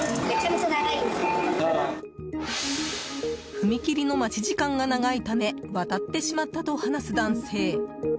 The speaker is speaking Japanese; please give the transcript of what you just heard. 踏切の待ち時間が長いため渡ってしまったと話す男性。